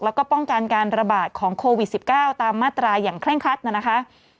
แล้วก็ป้องกันการระบาดของโควิด๑๙ตามมาตราอย่างเร่งครัดน่ะนะคะ